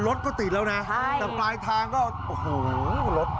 รถก็ติดแล้วนะแต่ปลายทางก็โอ้โหรถ